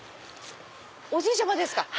おじいちゃまですか。